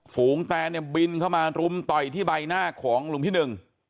ฝูงแตนเนี่ยบินเข้ามารุมต่อยที่ใบหน้าของหลวงพี่หนึ่ง